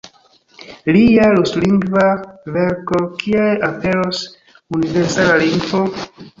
Lia ruslingva verko "Kiel aperos universala lingvo?